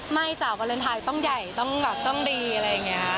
ไม่จ๊ะวาเลนไทยต้องใหญ่ต้องดีอะไรอย่างเงี้ย